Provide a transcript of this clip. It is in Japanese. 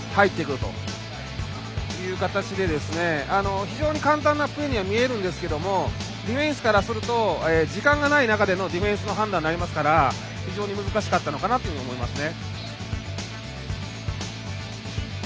そういう形で非常に簡単なプレーに見えるんですがディフェンスからすると時間がない中でのディフェンスの判断になりますから非常に難しかったのかなと思いますね。